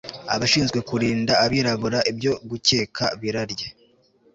Abashinzwe kurinda abirabura ibyo gukeka birarya